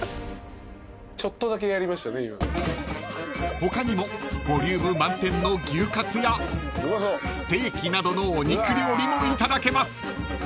［他にもボリューム満点の牛カツやステーキなどのお肉料理もいただけます］